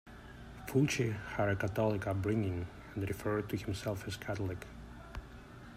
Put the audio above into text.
Fulci had a Catholic upbringing and referred to himself as a Catholic.